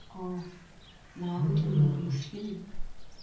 Oh, now to know you sleep!